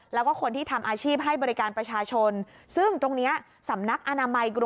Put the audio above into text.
แล้วก็คนที่ทำอาชีพให้บริการประชาชน